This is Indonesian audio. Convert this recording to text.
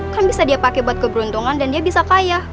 kan bisa dia pakai buat keberuntungan dan dia bisa kaya